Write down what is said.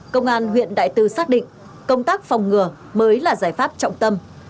công an huyện đại từ xác định công tác phòng ngừa mới là giải pháp trọng tâm